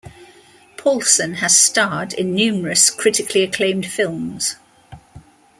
Paulson has starred in numerous critically acclaimed films.